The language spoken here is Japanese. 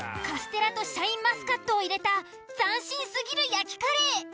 カステラとシャインマスカットを入れた斬新すぎる焼きカレー。